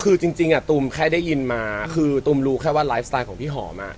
คือจริงตูมแค่ได้ยินมาคือตูมรู้แค่ว่าไลฟ์สไตล์ของพี่หอมอ่ะ